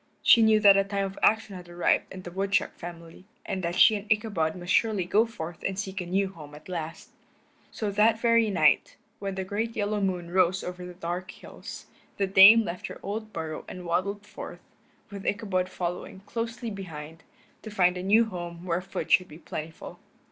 She knew that a time of action had arrived in the woodchuck family, and that she and Ichabod must surely go forth and seek a new home at last. So that very night, when the great yellow moon rose over the dark hills, the Dame left her old burrow and waddled forth, with Ichabod following closely behind, to find a new home where food should be plentiful.